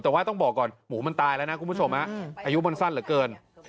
แต่ว่าต้องบอกก่อนหมูมันตายแล้วนะคุณผู้ชมอายุมันสั้นเหลือเกิน